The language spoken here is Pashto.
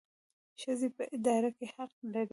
ښځې په اداره کې حق لري